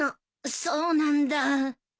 そうなんだ。